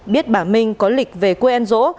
biết bà minh có lịch về quê an dỗ